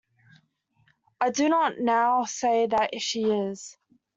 I do not now say that she is.